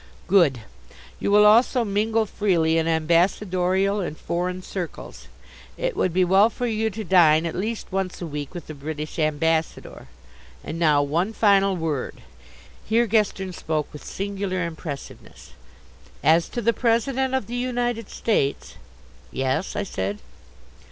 "Good! You will also mingle freely in Ambassadorial and foreign circles. It would be well for you to dine, at least once a week, with the British Ambassador. And now one final word" here Gestern spoke with singular impressiveness "as to the President of the United States." "Yes," I said.